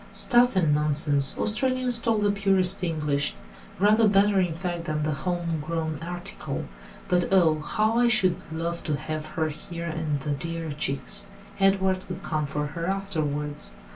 "Stuff and nonsense! Australians talk the purest English; rather better, in fact, than the home grown article. But oh! how I should love to have her here and the dear chicks. Edward could come for her afterwards."